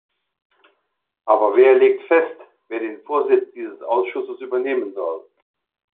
Aber wer legt fest, wer den Vorsitz dieses Ausschusses übernehmen soll?